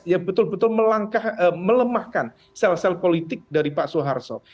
yang betul betul melangkah melemahkan sel sel politik dari pak soeharto